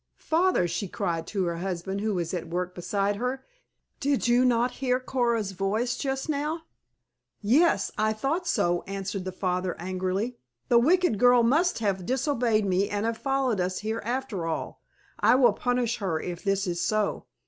"Father," she cried to her husband who was at work beside her, "did you not hear Coora's voice just now?" "Yes, I thought so," answered the father angrily. "The wicked girl must have disobeyed me and have followed us here after all. I will punish her if this is so."